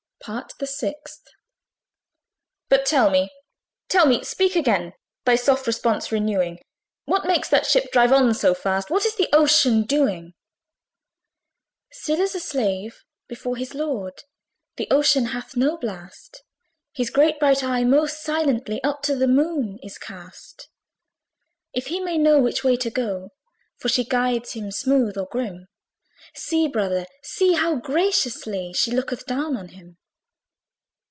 PART THE SIXTH. FIRST VOICE. But tell me, tell me! speak again, Thy soft response renewing What makes that ship drive on so fast? What is the OCEAN doing? SECOND VOICE. Still as a slave before his lord, The OCEAN hath no blast; His great bright eye most silently Up to the Moon is cast If he may know which way to go; For she guides him smooth or grim See, brother, see! how graciously She looketh down on him.